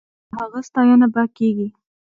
د هغه ستاينه به کېږي.